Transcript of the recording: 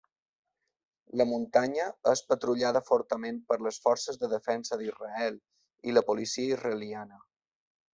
La muntanya és patrullada fortament per les Forces de Defensa d'Israel i la Policia israeliana.